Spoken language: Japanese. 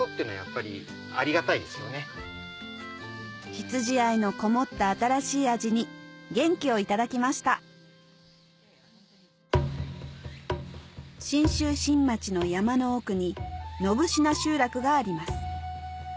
羊愛のこもった新しい味に元気を頂きました信州新町の山の奥に信級集落があります